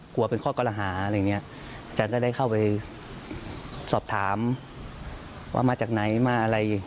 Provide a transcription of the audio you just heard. กลัวเป็นข้อกรหาอะไรอย่างนี้อาจารย์ก็ได้เข้าไปสอบถามว่ามาจากไหนมาอะไร